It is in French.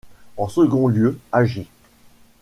En second lieu, hagi.